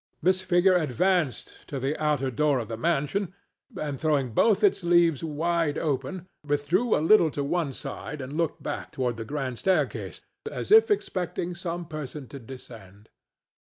This figure advanced to the outer door of the mansion, and, throwing both its leaves wide open, withdrew a little to one side and looked back toward the grand staircase, as if expecting some person to descend.